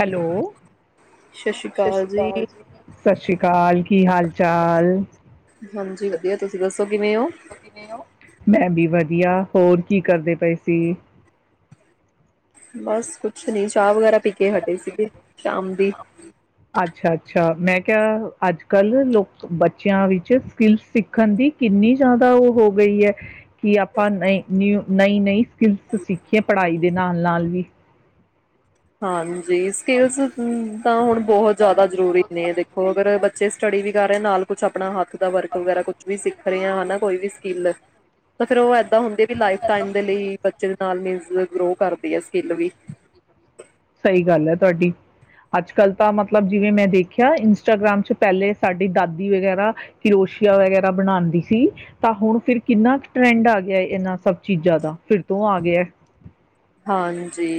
Hello ਸਤਿ ਸ਼੍ਰੀ ਅਕਾਲ ਜੀ, ਸਤਿ ਸ੍ਰੀ ਅਕਾਲ। ਕੀ ਹਾਲ ਚਾਲ? ਹਾਂਜੀ ਵਧੀਆ, ਤੁਸੀਂ ਦੱਸੋ? ਕਿਵੇਂ ਹੋ? ਦਸੋ ਕਿਵੇਂ ਓ? ਮੈਂ ਵੀ ਵਧੀਆ, ਹੋਰ ਕੀ ਕਰਦੇ ਪਏ ਸੀ? ਬਸ। ਕੁਛ ਨੀ, ਚਾਹ ਵਗੈਰਾ ਪੀ ਕੇ ਹਟੇ ਸੀਗੇ। ਸ਼ਾਮ ਦੀ। ਅੱਛਾ ਅੱਛਾ ਮੈਂ ਕਿਹਾ ਅੱਜ ਕੱਲ੍ਹ ਲੋਕ ਬੱਚਿਆਂ ਵਿੱਚ ਸਕਿੱਲਸ ਸਿੱਖਣ ਦੀ ਕਿੰਨੀ ਜ਼ਿਆਦਾ ਉਹ ਹੋ ਗਈ ਹੈ। ਕਿ ਆਪਾਂ ਨਈ ਨਿਊ ਨਈ-ਨਈ ਸਕਿੱਲਸ ਸਿੱਖੀਏ ਪੜ੍ਹਾਈ ਦੇ ਨਾਲ ਨਾਲ ਵੀ। ਹਾਂ। ਜੀ ਸਕਿੱਲਸ ਤਾਂ ਹੁਣ ਬਹੁਤ ਜ਼ਿਆਦਾ ਜ਼ਰੂਰੀ ਨੇ, ਦੇਖੋ ਅਗਰ ਬੱਚੇ ਸਟੱਡੀ ਵੀ ਕਰ ਰਹੇ ਨਾਲ, ਕੁਛ ਆਪਣਾ ਹੱਥ ਦਾ ਵਰਕ ਵਗੈਰਾ ਕੁਛ ਵੀ ਸਿੱਖ ਰਹੇ ਆ ਹਨਾ, ਕੋਈ ਵੀ ਸਕਿੱਲ ਤਾਂ ਫਿਰ ਉਹ ਤਾਂ ਹੁੰਦੀ ਵੀ ਲਾਈਫ ਟਾਈਮ ਦੇ ਲਈ ਬੱਚੇ ਦੇ ਨਾਲ ਮਿਲ ਜਦੋਂ ਗਰੋ ਕਰਦੀ ਆ ਸਕਿੱਲ ਵੀ। ਸਹੀ ਗੱਲ ਹੈ ਤੁਹਾਡੀ, ਅੱਜ ਕੱਲ ਤਾਂ ਮਤਲਬ ਜਿਵੇਂ ਮੈਂ ਦੇਖਿਆ ਇੰਸਟਾਗ੍ਰਾਮ ਚ ਪਹਿਲੇ ਸਾਡੀ ਦਾਦੀ ਵਗੈਰਾ ਕਿਰੋਸ਼ੀਆ ਵਗੈਰਾ ਬਣਾਉਂਦੀ ਸੀ। ਤਾਂ ਹੁਣ ਫਿਰ ਕਿੰਨਾ ਕੁ ਟਰੈਂਡ ਆ ਗਿਆ ਇਹਨਾਂ ਸਭ ਚੀਜ਼ਾਂ ਦਾ, ਫਿਰ ਤੋਂ ਆ ਗਿਆ। ਹਾਂਜੀ।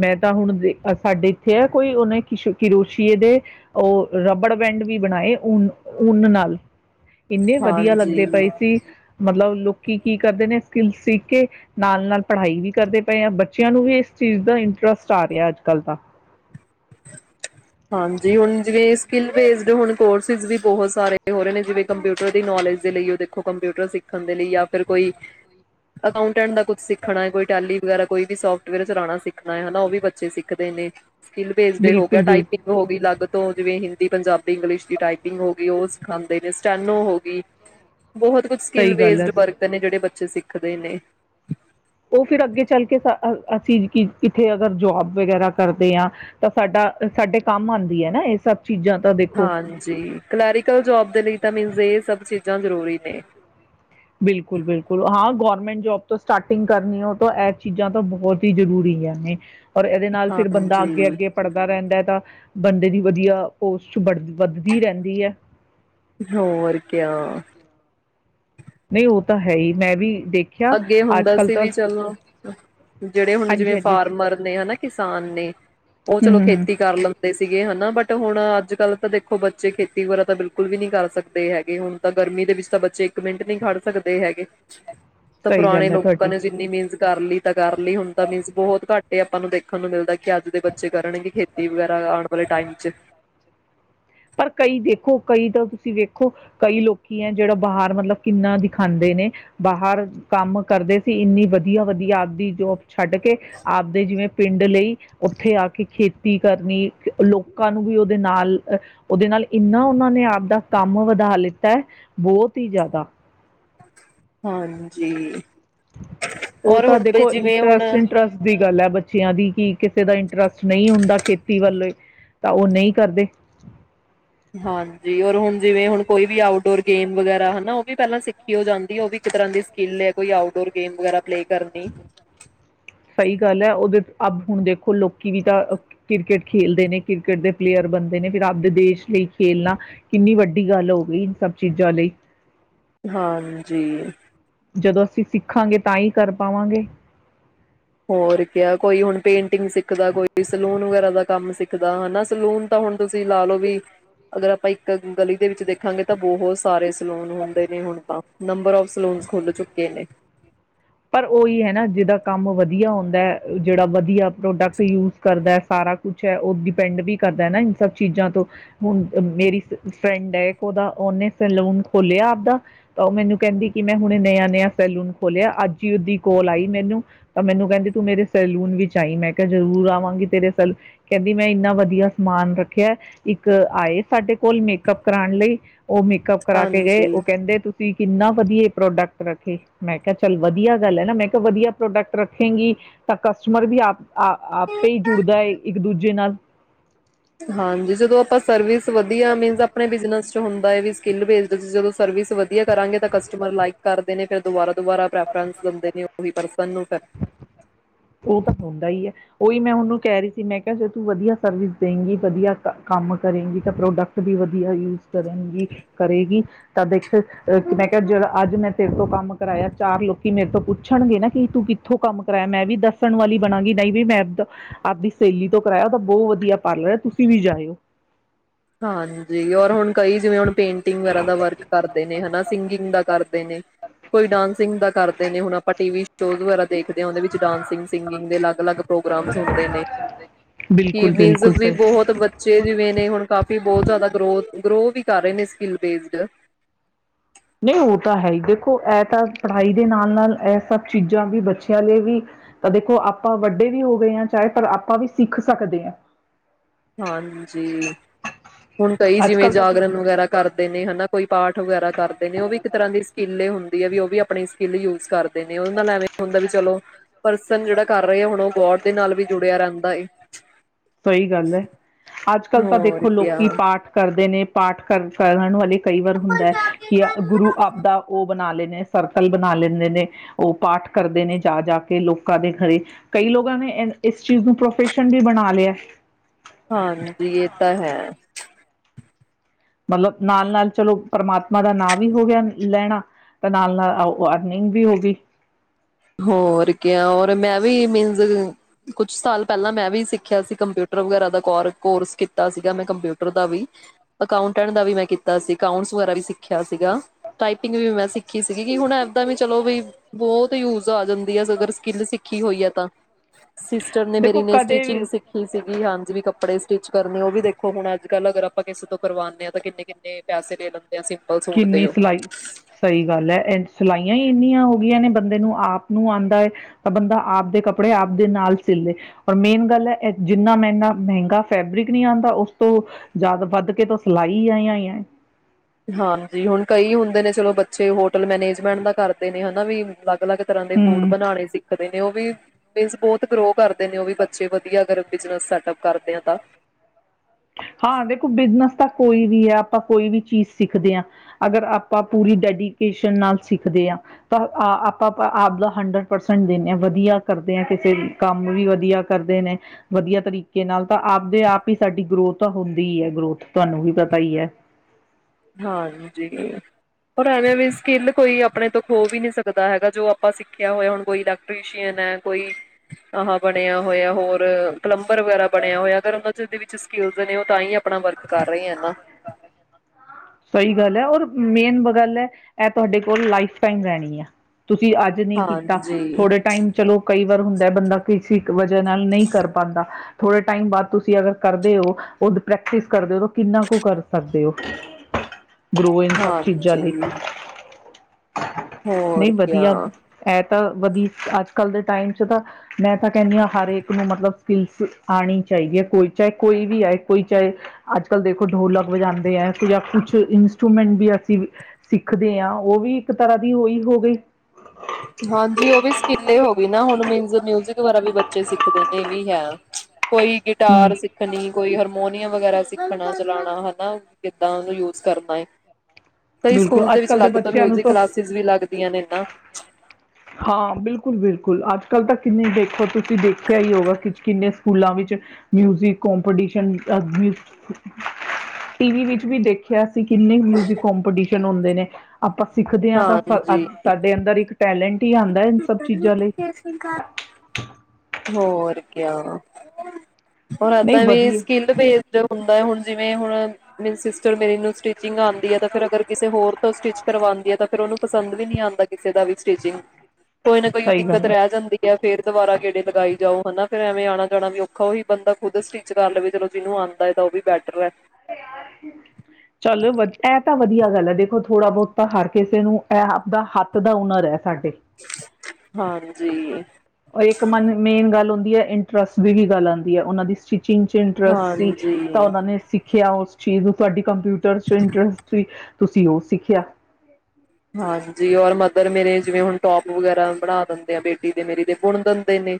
ਮੈਂ ਤਾਂ ਹੁਣ ਦੇ ਸਾਡੇ ਇੱਥੇ ਹੈ ਕੋਈ, ਉਹਨੇ ਕਿ ਕਿਰੋਸ਼ੀਏ ਦੇ ਉਹ ਰਬੜ ਬੈਂਡ ਵੀ ਬਣਾਏ ਉਨ-ਉਨ ਨਾਲ। ਇੰਨੇ ਵਧੀਆ ਲੱਗਦੇ ਹਾਂਜੀ ਪਏ ਸੀ। ਮਤਲਬ ਲੋਕੀ ਕੀ ਕਰਦੇ ਨੇ ਸਕਿੱਲ ਸਿੱਖ ਕੇ ਨਾਲ-ਨਾਲ ਪੜ੍ਹਾਈ ਵੀ ਕਰਦੇ ਪਏ ਹਾਂ, ਬੱਚਿਆਂ ਨੂੰ ਵੀ ਇਸ ਚੀਜ਼ ਦਾ ਇੰਟਰਸਟ ਆ ਰਿਹਾ ਅੱਜ ਕੱਲ੍ਹ ਤਾਂ। ਹਾਂਜੀ ਹੁਣ ਜਿਵੇਂ ਸਕਿਲ ਬੇਸਡ ਤੇ ਹੁਣ ਕੋਰਸਿਸ ਵੀ ਬਹੁਤ ਸਾਰੇ ਹੋ ਰਹੇ ਨੇ, ਜਿਵੇਂ ਕੰਪਿਊਟਰ ਦੀ ਨੌਲੇਜ ਦੇ ਲਈ, ਉਹ ਦੇਖੋ ਕੰਪਿਊਟਰ ਸਿੱਖਣ ਦੇ ਲਈ ਯਾ ਫਿਰ ਕੋਈ ਅਕਾਉਂਟੈਂਟ ਦਾ ਕੁੱਛ ਸਿੱਖਣਾ ਹੈ ਕੋਈ ਟੈਲੀ ਵਗੈਰਾ ਕੋਈ ਵੀ ਸੋਫਟਵੇਅਰ ਚਲਾਉਣਾ ਸਿੱਖਣਾ ਹੈ ਹਨਾ, ਉਹ ਵੀ ਬੱਚੇ ਸਿੱਖਦੇ ਨੇ, ਸਕਿਲ ਪੇਜਦੇ ਹੋ ਬਿਲਕੁਲ ਗਿਆ ਬਿਲ ਟਾਈਪਿੰਗ ਨੂੰ, ਉਹ ਵੀ ਅਲੱਗ ਤੋਂ ਜਿਵੇਂ ਹਿੰਦੀ, ਪੰਜਾਬੀ, ਇੰਗਲਿਸ਼ ਦੀ ਟਾਈਪਿੰਗ ਹੋ ਗਈ ਉਹ ਸਿਖਾਉਂਦੇ ਨੇ, ਸਟੈਨੋ ਹੋ ਗਈ। ਬਹੁਤ ਕੁਛ ਸਹੀ ਸਕਿਲ ਗੱਲ ਹੈ। ਬੇਸਡ ਵਰਕ ਨੇ ਜਿਹੜੇ ਬੱ ਸਿੱਖਦੇ ਨੇ। ਉਹ ਫਿਰ ਅੱਗੇ ਚੱਲ ਕੇ ਅਸੀਂ ਕਿ ਕਿੱਥੇ ਅਗਰ ਜੋਬ ਵਗੈਰਾ ਕਰਦੇ ਹਾਂ ਤਾਂ ਸਾਡਾ ਸਾਡੇ ਕੰਮ ਆਉਂਦੀ ਹੈ ਨਾ ਇਹਭ ਹਾਂਜੀ ਕਲੈਰੀਕਲ ਜੋਬ ਦੇ ਲਈ ਤਾਂ ਮੀਨ ਇਹ ਸਭ ਚੀਜ਼ਾਂ ਜ਼ਰੂਰੀ ਨੇ। ਬਿਲਕੁਲ ਬਿਲਕੁਲ ਹਾਂ ਗਵੌਰਰਮੈਂਟ ਜੋਬ। ਸਟਾਰਟਿੰਗ ਕਰਨੀ ਹੋ ਤਾਂ ਐਡ। ਚੀਜ਼ਾਂ ਤਾਂ ਬਹੁਤ ਹੀ ਜ਼ਰੂਰੀ ਹੈ ਨੇ। ਔਰ ਇਹਦੇ ਨਾਲ ਫਿਰ ਬੰਦਾ ਅੱਗੇ ਹਾਂਜੀ ਅੱਗੇ ਪੜ੍ਹਦਾ ਰਹਿੰਦਾ ਹੈ। ਤਾਂ ਬੰਦੇ ਦੀ ਵਧੀਆ ਪੋਸਟ ਵ ਵੱਧਦੀ ਰਹਿੰਦੀ ਹੈ। ਹੋਰ ਕ। ਨਹੀਂ ਉਹ ਤਾਂ ਹੈ ਹੀ ਮੈਂ ਵੀ। ਦੇਖਿਆ ਅੱਗੇ ਅੱਜ ਹੁੰਦਾ ਕੱਲ੍ਹ ਸੀ ਤਾਂ ਵੀ ਚਲੋ ਜਿਹੜੇ ਹਾਂਜੀ ਹਾਂਜੀ ਫਾਰ ਮਰਦੇ ਹਨਾ ਕਿਸਾਨ ਨੇ ਹੂੰ ਹੂੰ ਹੂੰ ਉਹ ਚਲੋ ਖੇਤੀ ਕਰਨ ਲੱਗੇ ਸੀਗੇ ਹਨਾ ਬਟ ਅੱਜ ਕੱਲ੍ਹ ਤਾਂ ਦੇਖੋ ਬੱਚੇ ਖੇਤੀ ਕਰਨ ਦਾ ਬਿਲਕੁਲ ਵੀ ਨਹੀਂ ਕਰ ਸਕਦੇ ਹੈਗੇ ਤਾਂ ਗਰਮੀ ਦੇ ਵਿੱਚ ਹੁਣ ਜਿਵੇਂ ਫਾਰਮਰ ਨੇ ਹਨਾ ਕਿਸਾਨ ਨੇ ਉਹ ਚਲੋ ਖੇਤੀ ਕਰ ਲੈਂਦੇ ਸੀਗੇ ਹਨਾ ਬਟ। ਹੁਣ ਅੱਜ ਕੱਲ ਤਾਂ ਦੇਖੋ ਬੱਚੇ ਖੇਤੀ ਵਗੈਰਾ ਤਾਂ ਬਿਲਕੁਲ ਵੀ ਨਹੀਂੀ ਕਰ ਸਕਦੇ ਹੈਗੇ ਹੁਣ ਤਾਂ ਗਰਮੀ ਦੇ ਵਿੱਚ ਤਾਂ ਬੱਚੇ ਇੱਕ ਮਿੰਟ ਨਹੀਂੀ ਖੜ ਸਕਦੇ ਹੈਗੇ। ਤਾਂ ਸਹੀ ਪੁਰਾਣੇ ਗੱਲ ਹੈ ਤੁਹਾਡੀ ਲੋਕਾਂ ਨੇ ਜਿੰਨੀ ਮੀਨਸ ਕਰ ਲਈ ਤਾਂ ਕਰ ਲਈ ਹੁਣ ਤਾਂ ਮੀਨਸ ਬਹੁਤ ਘੱਟ। ਇਹ ਆਪਾਂ ਨੂੰ ਦੇਖਣ ਨੂੰ ਮਿਲਦਾ ਕਿ ਅੱਜ ਦੇ ਬੱਚੇ ਕਰਨਗੇ ਖੇਤੀ ਵਗੈਰਾ ਆਉਣ ਵਾਲੇ ਟਾਈਮ ਚ। ਪਰ ਕਈ ਦੇਖੋ ਕਈ ਤਾਂ ਤੁਸੀਂ ਵੇਖੋ ਕਈ ਲੋਕੀ ਹੈ ਜਿਹੜਾ ਬਾਹਰ ਮਤਲਬ ਕਿੰਨਾ ਦਿਖਾਉਂਦੇ ਨੇ ਬਾਹਰ ਕੰਮ ਕਰਦੇ ਸੀ ਇੰਨੀ ਵਧੀਆ ਵਧੀਆ ਆਪਦੀ ਜੋਬ ਛੱਡ ਕੇ ਆਪਦੇ ਜਿਵੇਂ ਪਿੰਡ ਲਈ ਉੱਥੇ ਆ ਕੇ ਖੇਤੀ ਕਰਨੀ ਲੋਕਾਂ ਨੂੰ ਵੀ ਉਹਦੇ ਨਾਲ। ਲੋਕ। ਉਹਦੇ ਨਾਲ ਇੰਨਾ ਉਹਨਾਂ ਨੇ ਆਪਦਾ ਕੰਮ ਵਧਾ ਲਿੱਤਾ ਹੈ ਬਹੁਤ ਹੀ ਜ਼ਿਆਦਾ ਹਾਂਜੀ। ਉਹ ਔਰ ਤਾਂ ਹੁਣ ਦੇਖੋ ਜਿਵੇਂ ਇੰਟਰਸਟ ਹੁਣ ਇੰਟਰਸਟ ਦੀ ਗੱਲ ਹੈ ਬੱਚਿਆਂ ਦੀ ਕਿ ਕਿਸੇ ਦਾ ਇੰਟਰਸਟ ਨਹੀਂ ਹੁੰਦਾ ਖੇਤੀ ਵੱਲ। ਤਾਂ ਉਹ ਨਹੀਂ ਕਰਦੇ। ਹਾਂਜੀ ਰ ਹੁਣ ਜਿਵੇਂ ਹੁਣ ਕੋਈ ਵੀ ਆਊਟਡੋਰ ਗੇਮ ਵਗੈਰਾ ਹਨਾ ਉਹ ਵੀ ਪਹਿਲਾਂ ਸਿੱਖੀ ਹੋ ਜਾਂਦੀ ਉਹ ਵੀ ਇੱਕ ਤਰ੍ਹਾਂ ਦੀ ਸਕਿੱਲ ਹੈ ਕੋਈ ਆਊਟ ਡੋਰ ਗੇਮ ਵਗੈਰਾ ਪ। ਸਹੀ ਗੱਲ ਹੈ ਉਹਦੇ। ਅਬ ਹੁਣ ਦੇਖੋ ਲੋਕੀ ਵੀ ਤਾਂ ਕ੍ਰਿਕਟ ਖੇਲਦੇ ਨੇ ਕ੍ਰਿਕਟ ਦੇ ਪਲੇਅਰ ਬਣਦੇ ਨੇ ਫਿਰ ਆਪਦੇ ਦੇਸ਼ ਲਈ ਖੇਲਣਾ ਕਿੰਨੀ ਵੱਡੀ ਗੱਲ ਹੋ ਗਈ ਇ ਸਭ ਚੀਜ਼ਾਂ ਲਈ। ਹਾਂਜੀ। ਜਦੋਂ ਅਸੀਂ ਸਿੱਖਾਂਗੇ ਤਾਂ ਹੀ ਕਰ ਪਾਵਾਂਗੇ। ਹੋਰ ਕ ਕੋਈ ਹੁਣ ਪੇਂਟਿੰਗ ਸਿੱਖਦਾ ਕੋਈ ਸਲੂਨ ਵਗੈਰਾ ਦਾ ਕੰਮ ਸਿੱਖਦਾ ਹਨਾ ਸਲੂਨ ਤਾਂ ਹੁਣ ਤੁਸੀਂ ਲਾ ਲਓ ਵੀ ਅਗਰ ਆਪਾਂ ਇੱਕ ਗਲੀ ਦੇ ਵਿੱਚ ਦੇਖਾਂਗੇ ਤਾਂ ਬਹੁਤ ਸਾਰੇ ਸਲੋਨ ਹੁੰਦੇ ਨੇ ਹੁਣ ਤਾਂ। Number of. ਸਲੂਨ ਖੁੱਲ ਚੁੱਕੇ ਨੇ। ਪਰ ਉਹੀ ਹੈ ਨਾ ਜਿਹਦਾ ਕੰਮ ਵਧੀਆ ਆਉਂਦਾ ਜਿਹੜਾ ਵਧੀਆ ਪ੍ਰੋਡਕਟ ਯੂਜ ਕਰਦਾ ਸਾਰਾ ਕੁਛ ਹੈ ਉਹ ਡਿਪੈਂਡ ਵੀ ਕਰਦਾ ਨਾ ਇਨ ਸਭ ਚੀਜ਼ਾਂ ਤੋਂ ਹੁਣ ਮੇਰੀ ਫਰੈਂਡ ਹੈ। ਇੱਕ ਉਹਦਾ ਉਹਨੇ ਸੈਲੂਨ ਖੋਲਿਆ ਆਪਦਾ ਤਾਂ ਉਹ ਮੈਨੂੰ ਕਹਿੰਦੀ ਕਿ ਮੈਂ ਹੁਣੇ ਨਿਆ ਨ ਸੈਲੂਨ ਖੋਲਿਆ ਅੱਜ। ਦੀ ਕੋਲ ਆਈ ਮੈਨੂੰ ਤਾਂ ਮੈਨੂੰ ਕਹਿੰਦੀ ਤੂੰ ਮੇਰੇ ਸੈਲੂਨ ਵਿੱਚ ਆਈ ਮੈਂ ਕਿਹਾ ਜ਼ਰੂਰ ਆਵਾਂਗੀ ਤੇਰੇ ਸੈਲੂ ਕਹਿੰਦੀ ਮੈਂ ਇੰਨਾ ਵਧੀਆ ਸਮਾਨ ਰੱਖਿਆ ਇੱਕ ਆਏ ਸਾਡੇ ਕੋਲ ਮੇਕਅਪ ਕਰਾਉਣ ਲਈ। ਉਹ ਮੇਕਅਪ ਕਰਾ ਕੇ ਗਏ ਹਾਂਜੀ ਉਹ ਕਹਿੰਦੇ ਤੁਸੀਂ ਕਿੰਨਾ। ਵਧੀਆ ਪ੍ਰੋਡਕਟ ਰੱਖੇ ਮੈਂ ਕਿਹਾ ਚੱਲ। ਵਧੀਆ ਗੱਲ ਹੈ। ਨਾ ਮੈਂ ਕਿਹਾ ਵਧੀਆ ਪ੍ਰੋਡਕਟ ਰੱਖੇਗੀ ਤਾਂ ਕਸਟਮਰ ਵੀ ਆਪ ਆਪੇ ਹੀ ਜੁੜਦਾ ਹੈ ਇੱਕ ਦੂਜੇ ਨਾਲ ਹਾਂਜੀ ਜਦੋਂ ਆਪਾਂ ਸਰਵਿਸ ਵਧੀਆ ਮੀਨ ਆਪਣੇ ਬਿਜਨਸ ਚ ਹੁੰਦਾ ਹੈ ਸਕਲ ਬੇਸਡ ਜਦ। ਸਰਵਿਸ ਵਧੀਆ ਕਰਾਂਗੇ ਤਾਂ ਕਸਟਮਰ ਲਾਈਕ ਕਰਦੇ ਨੇ। ਫਿਰ ਦੁਬਾਰਾ ਦੁਬਾਰਾ ਪ੍ਰੈਫਰੈਂਸ ਦਿੰਦੇ ਨੇ ਉਹੀ ਪਰਸਨ ਨੂੰ ਫਿਰ। ਉਹ ਤਾਂ ਹੁੰਦਾ ਹੀ ਹੈ ਉਹੀ ਮੈਂ ਉਹਨੂੰ ਕਹਿ ਰਹੀ ਸੀ ਮੈਂ ਕਿਹਾ ਜੇ ਤੂੰ ਵਧੀਆ ਸਰਵਿਸ ਦੇਂਗੀ ਵਧੀਆ ਕੰਮ ਕਰੇਗੀ ਤਾਂ ਪ੍ਰੋਡਕਟ ਵੀ ਵਧੀਆ ਯੂਜ ਕਰੇਗੀ ਕਰੇਗੀ ਤਾਂ ਦੇਖ ਮੈਂ ਕਿਹਾ ਜ ਅੱਜ ਮੈਂ ਤੇਰੇ ਤੋਂ ਕੰਮ ਕਰਾਇਆ ਚਾਰ ਲੋਕੀ ਮੇਰੇ ਤੋਂ ਪੁੱਛਣਗੇ ਨਾ ਕਿ ਤੂੰ ਕਿੱਥੋਂ ਕੰਮ ਕਰਾਇਆ ਮੈਂ ਵੀ ਦੱਸ। ਦੱਸਣ ਵਾਲੀ ਬਣਾਂਗੀ, ਨਹੀਂ ਵੀ ਮੈਂ ਪ-ਦ ਆਪਦੀ ਸਹੇਲੀ ਤੋਂ ਕਰਾਇਆ ਉਹਦਾ ਬਹੁਤ ਵਧੀਆ ਪਾਰਲਰ ਹੈ। ਤੁਸੀਂ ਵੀ ਜਾਇਓ। ਹਾਂਜੀ ਔਰ ਹੁਣ ਕਈ, ਜਿਵੇਂ ਹੁਣ ਪੇਂਟਿੰਗ ਵਗੈਰਾ ਦਾ ਵਰਕ ਕਰਦੇ ਨੇ ਹਨਾ, ਸਿੰਗਿੰਗ ਦਾ ਕਰਦੇ ਨੇ। ਕੋਈ ਡਾਂਸਿੰਗ ਕਰਦੇ ਨੇ, ਹੁਣ ਆਪਾਂ ਟੀ ਵੀ ਸ਼ੋਜ਼ ਵਗੈਰਾ ਦੇਖਦੇ ਹਾਂ, ਉਹੁੰਦੇ ਵਿੱਚ ਚਾਂਸ ਸਿੰਗਿੰਗ ਦੇ ਅਲੱਗ-ਅਲੱਗ ਪ੍ਰੋਗਰਾਮਸ ਹੁੰਦੇ ਨੇ ਕੀ, ਬਿਲਕੁਲ ਮੀਨਸ ਬਿਲਕੁਲ ਵੀ ਸਹੀ ਬਹੁਤ ਬੱਚੇ ਜਿਵੇਂ ਨੇ ਹੁਣ ਕਾਫੀ, ਬਹੁਤ ਜ਼ਿਆਦਾ ਗਰੋ-ਗਰੋ ਵੀ ਕਰ ਰਹੇ ਨੇ ਸਕਿੱਲ ਬੇਸਡ ਨਹੀਂ ਉਹ ਤਾਂ ਹੈ ਹੀ। ਦੇਖੋ ਇਹ ਤਾਂ ਪੜ੍ਹਾਈ ਦੇ ਨਾਲ ਨਾਲ ਇਹ ਸਭ ਚੀਜ਼ਾਂ ਵੀ ਬੱਚਿਆਂ ਲਈ ਵੀ, ਤਾਂ ਦੇਖੋ ਆਪਾਂ ਵੱਡੇ ਵੀ ਹੋ ਗਏ ਹਾਂ ਚਾਹੇ, ਪਰ ਆਪਾਂ ਵੀ ਸਿੱਖ ਸਕਦੇ ਹਾਂ। ਹਾਂਜੀ। ਹੁਣ ਕਈ ਅੱਜ ਜਿਵੇਂ ਕੱਲ੍ਹ ਤਾਂ ਤੁਸੀਂ ਜਾਗਰਣ ਵਗੈਰਾ ਕਰਦੇ ਨੇ ਹਨਾ, ਕੋਈ ਪਾਠ ਵਗੈਰਾ ਕਰਦੇ ਨੇ, ਉਹ ਵੀ ਇੱਕ ਤਰ੍ਹਾਂ ਦੀ ਸਕਿੱਲ ਹ ਹੁੰ ਵੀ ਹੈ। ਉਹ ਵੀ ਆਪਣੀ ਸਕਿੱਲ ਯੂਜ ਕਰ ਤੇ ਨੇ, ਉਹ ਨਾਲ ਐਵੇਂ ਹੁੰਦਾ ਵੀ ਚਲੋ ਪਰਸਨ ਜਿਹੜਾ ਘਰ ਰਹੇ ਆ, ਹੁਣ ਉਹ ਗੋਡ ਦੇ ਹੁਣ ਨਾਲ ਵੀ ਜੁੜਿਆ ਰਹਿੰਦਾ ਏ। ਹੈ। ਸਹੀ ਗੱਲ ਹੈ। ਅੱਜ ਕੱਲ੍ਹ ਤਾਂ ਹੋਰ ਦੇਖੋ ਕਿਆ ਲੋਕੀ ਪਾਠ ਕਰਦੇ ਨੇ ਪਾਠ ਕਰ-ਕਰਨ ਵਾਲੇ ਕਈ ਵਾਰ ਹੁੰਦਾ ਹੈ, ਕਿ ਗੁਰੂ ਆਪਦਾ ਉਹ ਬਣਾ ਲੈਣ [unintelligible] ਸਰਕਲ ਬਣਾ ਲੈਂਦੇ ਨੇ, ਉਹ ਪਾਠ ਕਰਦੇ ਨੇ ਜਾ-ਜਾ ਕੇ ਲੋਕਾਂ ਦੇ ਘਰੇ। ਕਈ ਲੋਗਾ ਨੇ ਇਸ ਚੀਜ਼ ਨੂੰ ਪ੍ਰੋਫੈਸ਼ਨ ਵੀ ਬਣਾ ਲਿਆ ਹੈ। [unintelligible] ਹਾਂਜੀ ਇਹ ਤਾਂ ਹੈ। ਮਤਲਬ ਨਾਲ ਨਾਲ ਚਲੋ। ਪਰਮਾਤਮਾ ਦਾ ਨਾਂ ਵੀ ਹੋ ਗਿਆ ਲੈਣਾ, ਤੇ ਨਾਲ ਨਾਲ ਉਹ ਅਰਨਿੰਗ ਵੀ ਹੋ ਗਈ। ਹੋਰ ਕਿਆ, ਔਰ ਮੈਂ ਵੀ ਮੀਨਜ਼ ਕੁਛ ਸਾਲ ਪਹਿਲਾਂ, ਮੈਂ ਵੀ ਸਿੱਖਿਆ ਸੀ ਕੰਪਿਊਟਰ ਵਗੈਰਾ ਦਾ ਕੌਰ-ਕੋਰਸ ਕੀਤਾ ਸੀਗਾ, ਮੈਂ ਕੰਪਿਊਟਰ ਦਾ ਵੀ। ਅਕਾਊਂਟ ਕਣ ਦਾ ਵੀ ਮੈਂ ਕੀਤਾ ਸੀ। ਅਕਾਊਂਟਸ ਵਗੈਰਾ ਵੀ ਸਿੱਖਿਆ ਸੀਗਾ। ਟਾਈਪਿੰਗ ਵੀ ਮੈਂ ਸਿੱਖੀ ਸੀਗੀ, ਕਿ ਹੁਣ ਇਦਾਂ ਵੀ ਚਲੋ ਵੀ ਬਹੂਤ ਯੂਜ ਆ ਜਾਂਦੀ ਹੈ, ਸ-ਅਗਰ ਸਕਿੱਲ ਸਿੱਖੀ ਹੋਈ ਹੈ ਤਾਂ ਸਿਸਟਰ ਨੇ ਦੇਖੋ ਮੇਰੀ ਨੇ ਕਦੇ ਸਟੀਿਚਿੰਗ ਵੀ ਸਿੱਖੀ ਸੀਗੀ। ਹਾਂ ਜਿਵੇਂ ਕੱਪ ਕੱਪੜੇ ਸਟਿਚ ਕਰਨੇ, ਉਹ ਵੀ ਦੇਖੋ ਹੁਣ ਅੱਜ ਕੱਲ੍ਹ ਅਗਰ ਆਪਾਂ ਕਿਸੇ ਤੋਂ ਕਰਵਾਉਂਦੇ ਹਾਂ ਤਾਂ ਕਿੰਨੇ-ਕਿੰਨੇ ਪੈਸੇ ਲੇ ਲੈਂਦੇ ਆ ਸਿੰਪਲ ਸੂਟ ਦੇ ਕਿੰਨੀ ਉਹ। ਸਿਲਾਈ, ਸਹੀ ਗੱਲ ਹੈ। ਐਨ ਸਿਲਾਈ ਹੀ ਇੰਨੀਆਂ ਹੋ ਗਈਆਂ ਨੇ। ਬੰਦੇ ਨੂੰ ਆਪ ਨੂੰ ਆਉਂਦਾ ਹੈ ਤਾਂ ਬੰਦਾ ਆਪ ਦੇ ਕੱਪੜੇ ਆਪਦੇ ਨਾਲ ਸਿੱਲੇ। ਔਰ ਮੇਨ ਗੱਲ ਹੈ, ਇਹ ਜਿੰਨਾ ਮਹਿੰਨਾ-ਮਹਿੰਗਾ ਫੈਬਰਿਕ ਨਹੀਂ ਆਉਂਦਾ ਉਸ ਤੋਂ ਜਿਆਦਾ ਵੱਧ ਕੇ ਦੱਸ ਸਿਲਾਈ ਆਈ-ਆਈ ਹੈ ਹਾਂਜੀ, ਹੁਣ ਕਈ ਹੁੰਦੇ ਨੇ। ਚਲੋ ਬੱਚੇ ਹੋਟਲ ਮੈਨੇਜਮੈਂਟ ਦਾ ਕਰਦੇ ਨੇ ਹਨਾ ਵੀ [unintelligible] ਅਲੱਗ ਤਰ੍ਹਾਂ ਦੇ ਫੂਡ ਬਣਾਉਣੇ ਸਿੱਖ [unintelligible] ਉਹ ਵੀ ਮੀਨਸ ਬਹੁਤ ਗਰੋ ਕਰਦੇ ਨੇ ਉਹ ਵੀ ਬੱਚੇ ਵਧੀਆ, ਅਗਰ ਬਿਜਨਸ ਸੈਟਅਪ ਕਰਦੇ ਆ ਤਾਂ। ਹਾਂ ਦੇਖੋ ਬਿਜਨਸ ਤਾਂ ਕੋਈ ਵੀ ਆ, ਆਪਾਂ ਕੋਈ ਵੀ ਚੀਜ਼ ਸਿੱਖਦੇ ਹਾਂ ਅਗਰ ਆਪਾਂ ਪੂਰੀ ਡੈਡੀਕੇਸ਼ਨ ਨਾਲ ਸਿੱਖਦੇ ਹਾਂ, ਤਾਂ ਆ-ਆਪਾਂ-ਪਾ-ਆਪ ਦਾ ਹੰਡਰਡ ਪਰਸੈਂਟ ਦੇਨੇ ਹਾਂ। ਵਧੀਆ ਕਰਦੇ ਹ ਕਿਸੇ ਵੀ ਕੰਮ ਵੀ ਵਧੀਆ ਕਰਦੇ ਨੇ। ਵਧੀਆ ਤਰੀਕੇ ਨਾਲ ਤਾਂ ਆਪਦੇ ਆਪ ਹੀ ਸਾਡੀ ਗਰੋਥ ਤਾਂ ਹੁੰਦੀ ਹੈ ਗਰੋਥ। ਤੁਹਾਨੂੰ ਵੀ ਪਤਾ ਹੀ ਹੈ। ਹਾਂਜੀ ਰ ਐਵੇਂ ਵੀ ਸਕਿੱਲ ਕੋਈ ਆਪਣੇ ਤੋਂ ਖੋ ਵੀ ਨਹੀ ਸਕਦਾ ਹੈਗਾ, ਜੋ ਆਪਾਂ ਸਿੱਖਿਆ ਹੋਇਆ। ਹੁਣ ਕੋਈ ਇਲੈਕਟ੍ਰੀਸ਼ੀਅਨ ਹੈ, ਕੋਈ ਆਹ ਬਣਿਆ ਹੋਇਆ, ਹੋਰ ਪਲੰਬਰ ਵਗੈਰਾ ਬਣਿਆ ਹੋਇਆ। ਅਗਰ ਉਹਨਾਂਦੇ ਵਿੱਚ ਸਕਿੱਲਸ ਨੇ ਉਹ ਤਾਂ ਹੀ ਆਪਣਾ ਵਰਕ ਕਰ ਰਹੇ ਹੈਨਾ। ਸਹੀ ਗੱਲ ਹੈ ਔਰ ਮੇਨ ਗੱਲ ਹੈ ਇਹ ਤੁਹਾਡੇ ਕੋਲ ਲਾਈਫ ਟਾਈਮ ਰਹਿਣੀ ਹੈ। ਤੁਸੀਂ ਅੱਜ ਨਹੀਂ ਕੀਤਾ ਹਾਂਜੀ-ਹਾਂਜੀ ਥੋੜੇ ਟਾਈਮ ਚਲੋ ਕਈ ਵਾਰ ਹੁੰਦਾ ਬੰਦਾ ਕਿਸੇ ਵਜ੍ਹਾ ਨਾਲ ਨਹੀਂ ਕਰ ਪਾਉਂਦਾ। ਥੋੜ੍ਹੇ ਟਾਈਮ ਬਾਅਦ ਤੁਸੀਂ ਅਗਰ ਕਰਦੇ ਹੋ ਉਹ ਪ੍ਰੈਕਟਿਸ ਕਰਦੇ ਹੋ ਤਾਂ ਕਿੰਨਾ ਕੁ ਕਰ ਸਕਦੇ ਹੋ। ਜਰੂਰ ਇਣ ਸਭ ਚੀਜ਼ ਦੀ ਹੋਰ ਨਹੀਂ ਵਧੀਆ ਕਿਆ ਐ ਤਾਂ ਵਧੀ ਅੱਜ ਕੱਲ ਦੇ ਟਾਈਮ ਚ ਤਾਂ ਮੈਂ ਤਾਂ ਕਹਿੰਦੀ ਹਾਂ ਹਰੇਕ ਨੂੰ ਮਤਲਬ ਸਕਿੱਲਸ ਆਉਣੀ ਚਾਹੀਦੀ ਹੈ, ਕੋਈ ਚਾਹੇ ਕੋਈ ਵੀ ਆਏ ਕੋਈ ਚਾਹੇ ਅੱਜ ਕੱਲ ਦੇਖੋ ਢੋਲਕ ਵਜਾਂਦੇ ਹੈ ਜਾਂ ਕੁਛ ਇੰਸਟਰੂਮੈਂਟ ਵੀ ਅਸੀਂ ਸਿੱਖਦੇ ਹਾਂ ਉਹ ਵੀ ਇੱਕ ਤਰ੍ਹਾਂ ਦੀ ਹੋਈ ਹੋ ਗਈ। ਹਾਂਜੀ ਉਹ ਵੀ ਸਕਿੱਲੇ ਹੋ ਗਈ ਨਾ ਹੁਣ ਮ ਮਿਊਜਿਕ ਬਰਾ ਵੀ ਬੱਚੇ ਸਿੱਖ ੇ [unintelligible] ਵੀ ਹੈ ਕੋਈ ਹੂੰ। ਗਿਟਾਰ ਸਿੱਖਣੀ ਕੋਈ ਹਾਰਮੋਨੀ ਵਗੈਰਾ ਸਿੱਖਣਾ ਚਲਾਉਣਾ ਹਨਾ, ਕਿੱਦਾਂ ਉਹਨੂੰ ਯੂਜ ਕਰਨਾ। ਕਈ ਬਿਲਕੁਲ ਸਕੂਲ ਅੱਜ ਦੇ ਵਿੱਚ ਕੱਲ੍ਹ ਅਲਗ ਤੋਂ ਬੱਚਿਆਂ ਨੂੰ ਮਿਊਜਿਕ ਤਾਂ ਕਲਾਸਿਸ ਵੀ ਲੱਗਦੀਆਂ ਨੇ ਹਨਾਂ। ਹਾਂ ਬਿਲਕੁਲ ਬਿਲਕੁਲ, ਅੱਜ ਕਲ ਤਾਂ ਕਿੰਨੇ ਦੇਖੋ ਤੁਸੀਂ ਦੇਖਿਆ ਹੀ ਹੋਗਾ ਕਿੰਨੇ ਸਕੂਲਾਂ ਵਿੱਚ ਮਿਊਜਿਕ ਕੌਮਪਟੀਸ਼ਨ [inaudible] ਟੀਵੀ ਵਿੱਚ ਵੀ ਦੇਖਿਆ ਸੀ ਕਿੰਨੇ ਮਿਊਜਿਕ ਕੌਮਪਟੀਸ਼ਨ ਹੁੰਦੇ ਨੇ। ਆਪਾਂ ਸਿੱਖਦੇ ਹਾਂ ਤਾਂ ਅੱ ਹਾਂਜੀ ਸਾਡੇ ਅੰਦਰ ਇੱਕ ਟੈਲੈਂਟ ਟੀ ਆਉਂਦਾ ਇਹਨ ਸਬ ਚੀਜ਼ਾਂ ਲਈ ਹੋਰ ਕਿਆ। ਹੋਰ ਨਹੀਂ ਏਦਾਂ ਵੀ ਵਧੀਆ। ਸਕਿੱਲ ਬੇਸਡ ਹੁੰਦਾ ਹੁਣ। ਜਿਵੇਂ ਹੁਣ ਮੇਰੀ ਸਿਸਟਰ ਮੇਰੀ ਨੂੰ ਸ ਜੀਨੀ ਆਉਂਦੀ ਹੈ, ਤਾਂ ਫਿਰ ਅਗਰ ਕਿਸੇ ਹੋਰ ਕੋ ਸਟਿ ਕਰਵਾਉਂਦੀ ਹੈ। ਤਾਂ ਫਿਰ ਉਹਨੂੰ ਪਸੰਦ ਵੀ ਨਹੀਂੀ ਆਉਂਦਾ ਕਿਸੇ ਦਾ ਵੀ ਸਟਿਚਿੰਗ ਕੋਈ ਨਾ ਕੋਈ ਸਹੀ ਦਿੱਕਤ ਗੱਲ ਹੈ। ਰਹਿ ਜਾਂਦੀ ਹੈ। ਫੇਰ ਦੁਬਾਰਾ ਗੇੜੇ ਲਗਾਈ ਜਾਓ, ਹਨਾ ਫੇਿਰ ਐਵੇਂ ਆਉਣਾ ਜਾਣਾ ਵੀ ਔਖਾ ਉਹੀ ਬੰਦਾ ਖੁਦ ਸਟਿਚ ਕਰ ਲਵੇ ਚਲ ਜਹਨੂੰ ਆਉਂਦਾ ਹੈ, ਤਾਂ ਉਹ ਵੀ ਬੈਟਰ ਹੈ। ਚੱਲ ਵ ਇਹ ਤਾਂ ਵਧੀਆ ਗੱਲ ਹੈ, ਦੇਖੋ ਥੋੜਾ ਬਹੁਤ ਤਾਂ ਹਰ ਕਿਸੇ ਨੂੰ ਇਹ ਆਪਦਾ ਹੱਥ ਦਾ ਹੁਨਰ ਹੈ। ਸਾਡੇ। ਹਾਂਜੀ ਉਹ ਇੱਕ ਮਨ ਮੇਨ ਗੱਲ ਹੁੰਦੀ ਇੰਟਰਸਟ ਵੀ ਹੀ ਗੱਲ ਆਉਂਦੀ ਹੈ। ਉਹਨਾਂ ਦੀ ਸਥਿਤੀ ਜਿਦੇ ਚ ਇੰਟਰਸਟ ਸੀ ਤਾਂ ਹਾਂਜੀ ਉਹਨਾਂ ਨੇ ਸਿੱਖ ਰਖਿਆ ਉਸ ਚੀਜ਼ ਨੂੰ ਤੁਹਾਡੀ ਕੰਪਿਊਟਰ ਚ ਇੰਟਰਸਟ ਸੀ। ਤੁਸੀਂ ਉਹ ਸਿੱਖਿਆ। ਹਾਂਜੀ ਹੋਰ ਮ ਪਰ ਮੇਰੇ ਚ ਜਿਵੇਂ ਹੁਣ ਟੋਪ ਵਗੈਰਾ ਬਣਾ ਦੇਣ। ਬੇਟੀ ਦੇ ਮੇਰੀ ਤੇ ਬੁਣ ਦਿੰਦੇ ਨੇ,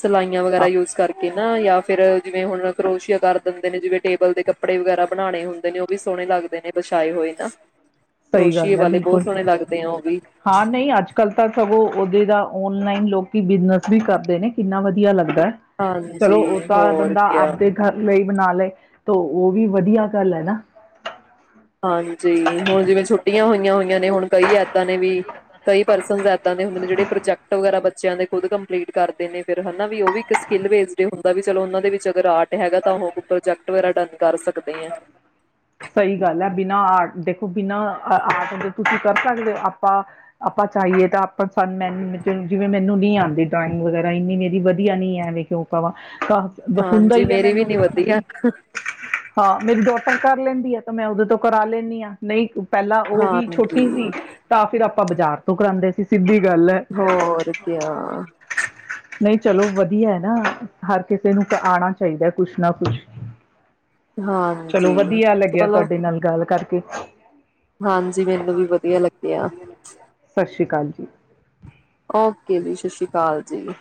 ਸਿਲਾਈਆਂ ਵਗੈਰਾ ਯੂਜ ਕਰਕੇ, ਜਾਂ ਫਿਰ ਜਿਵੇਂ ਹੁਣ ਕਰੋਸ਼ੀਆ ਕਰ ਦਿੰਦੇ ਨੇ ਜਿਵੇਂ ਟੇਬਲ ਦੇ ਕੱਪੜੇ ਵਗੈਰਾ ਬਣਾਣੇ ਹੁੰਦੇ ਨੇ ਉਹ ਵੀ ਸੋਹਣੇ ਲੱਗਦੇ ਨੇ ਵਿਛਾਏ ਹੋਏ ਤਾਂ, ਸਹੀ ਗੱਲ ਹੈ ਬਿਲ ਕੁਲ ਆ ਉਹ ਵੀ ਹਾਂ ਨਹੀਂ ਅੱਜ ਕੱਲ੍ਹ ਤਾਂ ਸਗੋਂ ਉਹਦੇ, ਔਨਲਾਈਨ ਲੋਕ ਬਿਜਨਸ ਵੀ ਕਰਦੇ ਨੇ ਕਿੰਨਾ ਵਧੀਆ ਲੱਗ ਦਾ ਚਲੋ ਉਹ ਹਾਂਜੀ ਤਾਂ ਹੋਰ ਬੰਦਾ ਕਿਆ ਆਪਦੇ ਗਰ ਲਈ, ਬਣਾ ਲਏ ਤੇ ਉਹ ਵੀ ਵਧੀਆ ਗੱਲ ਐ ਨਾ, ਹਾਂਜੀ ਹੁਣ ਜਿਵੇਂ ਛੁ ਛੁੱਟੀਆਂ ਹੋਈਆਂ ਨੇ ਹੁਣ ਕਈ ਐਦਾਂ ਨੇ ਵੀ ਕਈ ਪਰਸਨ ਜਾ ਕਹਿੰਦੇ ਹੁੰਦੇ ਨੇ ਜਿਹੜੇ ਪ੍ਰੋਜੈਕਟ ਵਗੈਰਾ ਬੱ ਬੱਚਿਆਂ ਦੇ ਖੁਦ ਕੰਪਲੀਟ ਕਰਦੇ ਨੇ ਫਿਰ ਹਨਾ ਵੀ ਉਹ ਵੀ ਇੱਕ ਸਕਿੱਲ ਬੇਸਡ ਹੁੰਦਾ ਵੀ ਚਲੋ ਉਹਨਾਂ ਦੇ ਵਿੱਚ ਅਗਰ ਆਰਟ ਹੈਗਾ ਤਾਂ ਉਹ ਪ੍ਰੋਜੈਕਟ ਵਗੈਰਾ ਡਨ ਕਰ ਸਕਦੇ ਐ। ਸਹੀ ਗੱਲ ਹੈ, ਬਿਨਾਂ ਆਰਟ ਦੇਖੋ ਬਿਨਾਂ ਆਰਟ ਦੇਖੋ ਤੁਸੀਂ ਕਰ ਸਕਦੇ ਹੋ ਆਪਾਂ ਆਪਾਂ ਚਾਹੀਏ ਤਾਂ ਆਪਾਂ ਸਾਨੂੰ ਮੈ ਜਿਵੇਂ ਮੈਨੂੰ ਨਹੀਂ ਆਦੀ ਡਰਾਇੰਗ ਵਗੈਰਾ ਇੰਨੀ ਮੇਰੀ ਵਧੀਆ ਨੀ ਐ ਐਵੇਂ ਕਿਉਂ ਕਵਾ, ਹੁੰਦਾ ਹਾਂਜੀ ਹੀ ਐ ਮੇਰੀ ਵੀ ਮੈਨੂੰ ਨੀ ਵਧੀਆ ਹਾਂ ਮੇਰੀ ਡੋਟਰ ਘਰ, ਲੈਂਦੀ ਆ ਤਾਂ ਮੈਂ ਉਹਦੇ ਤੋਂ ਕਰਾ ਲੈਂਨੀ ਆ ਨਹੀਂ ਪਹਿਲਾਂ ਉਹ ਵੀ ਛੋਟੀ ਸੀ ਹਾਂਜੀ ਤਾਂ ਫਿਰ ਆ ਆਪਾਂ ਬਾਜ਼ਾਰ ਤੋਂ ਕਰਾਦੇ ਸੀ ਸਿੱਧੀ, ਗੱਲ ਹੈ ਹੋਰ ਕਿਆ। ਨਹੀਂ ਚਲੋ ਵਧੀਆ ਐ ਨਾ ਹਰ ਕਿਸੇ ਨੂੰ ਤਾ ਆਣਾ ਚਾਹੀਦਾ ਕੁਛ ਨਾ ਕੁਛ, ਚਲੋ ਹਾਂਜੀ, ਵਧੀਆ ਲੱਗਿਆ ਚਲੋ ਤੁਹਾਡੇ ਨਾਲ ਗੱਲ ਕਰ [inaudible] [unintelligible] ਹਾਂਜੀ ਮੈਨੂੰ ਵੀ ਵਧੀਆ ਲੱਗਿਆ ਸਾਸਰੀ ਕਾਲ ਜੀ, ਓਕੇ ਜੀ ਸਾਸਰੀ ਕਾਲ ਜੀ,